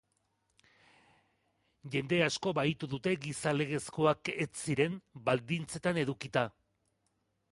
Jende asko bahitu dute giza legezkoak ez ziren baldintzetan edukita.